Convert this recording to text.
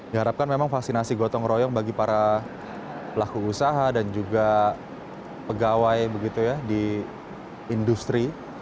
di harapkan memang vaksinasi gotong royong bagi para pelaku usaha dan juga pegawai di industri